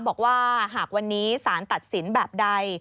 บอกว่าหากวันนี้สารตัดสินแบบใด